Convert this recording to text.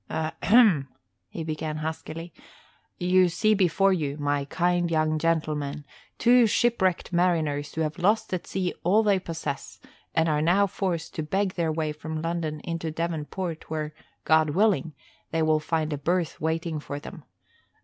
"Ahem," he began huskily. "You see before you, my kind young gentleman, two shipwrecked mariners who have lost at sea all they possess and are now forced to beg their way from London into Devon Port where, God willing, they will find a berth waiting for them.